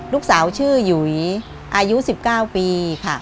ลูกสาวชื่อหยุยอายุ๑๙ปีค่ะ